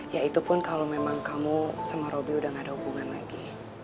ya itu pun kalau memang kamu sama robby udah gak ada hubungan lagi